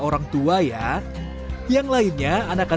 orangtua ya yang lainnya